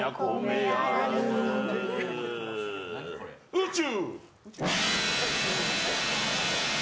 宇宙！